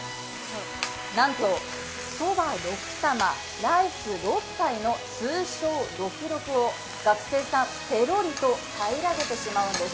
なんと、そば６玉、ライス６杯の通称ロクロクを学生さん、ぺろりと平らげてしまうんです。